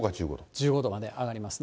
１５度まで上がりますね。